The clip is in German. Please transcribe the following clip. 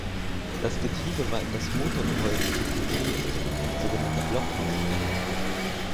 Das Getriebe war in das Motorgehäuse integriert (sogenannter Blockmotor).